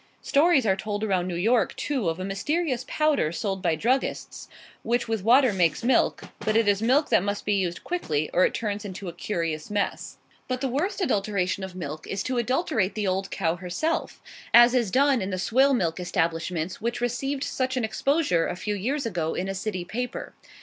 Stories are told around New York, too, of a mysterious powder sold by druggists, which with water makes milk; but it is milk that must be used quickly, or it turns into a curious mess. But the worst adulteration of milk is to adulterate the old cow herself; as is done in the swill milk establishments which received such an exposure a few years ago in a city paper.